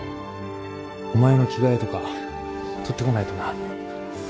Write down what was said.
お前の着替えとか取ってこないとな。